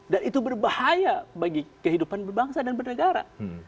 itu berbahaya bagi kehidupan berbangsa dan bernegara